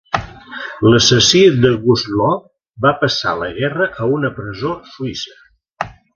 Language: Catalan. L"assassí de Gustloff va passar la guerra a una presó suïssa.